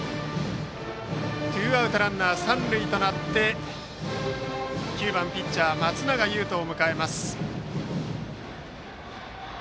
ツーアウトランナー、三塁となり９番ピッチャー、松永優斗を迎えます。